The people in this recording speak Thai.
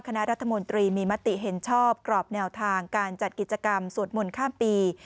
คณะรัฐมนตรีมีมติเห็นชอบกรอบแนวทางการจัดกิจกรรมสวดมนต์ข้ามปี